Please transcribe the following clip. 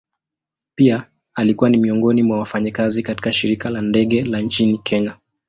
Pia alikuwa ni miongoni mwa wafanyakazi katika shirika la ndege la nchini kenya.